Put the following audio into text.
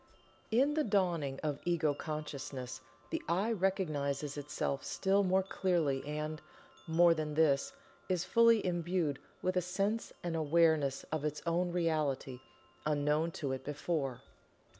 In the dawning of Ego Consciousness the "I" recognizes itself still more clearly and, more than this, is fully imbued with a sense and "awareness" of its own Reality, unknown to it before.